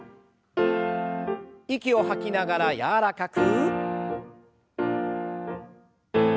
息を吐きながら柔らかく。